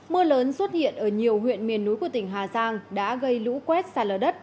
mưa lớn xuất hiện ở nhiều huyện miền núi của tỉnh hà giang đã gây lũ quét xa lở đất